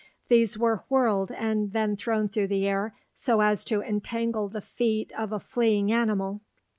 These were whirled and then thrown through the air so as to entangle the feet of a fleeing animal.